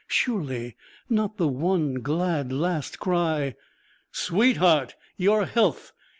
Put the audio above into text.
Surely not the one glad last cry: SWEETHEART! YOUR HEALTH!